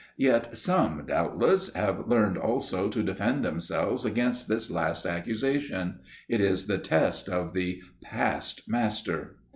Yet, some, doubtless, have learned also to defend themselves against this last accusation; it is the test of the Passed Master.